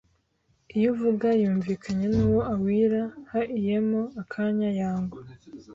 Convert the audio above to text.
Iyo uvuga yumvikanye n’uwo awira haiyemo akanya yangwa